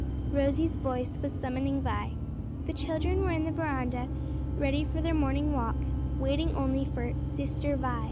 Rosie's voice was summoning Vi. The children were in the veranda ready for their morning walk, waiting only for "Sister Vi."